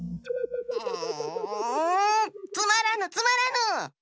うんつまらぬつまらぬ！